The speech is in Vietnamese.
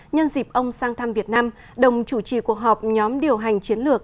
nhân dịp ông sang thăm việt nam đồng chủ trì cuộc họp nhóm điều hành chiến lược